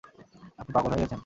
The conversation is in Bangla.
আপনি পাগল হয়ে গেছেন?